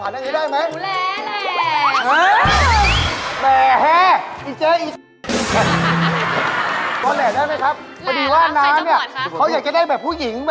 พอดีว่าน้ำเนี่ยเขาอยากจะได้แบบผู้หญิง